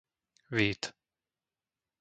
Vít